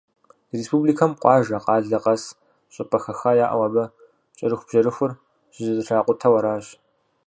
Ди республикэм къуажэ, къалэ къэс щӏыпӏэ хэха яӏэу, абы кӏэрыхубжьэрыхур щызэтракӏутэу аращ.